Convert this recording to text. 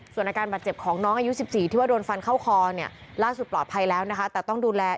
ส่วนอาการบัดเจ็บของน้อง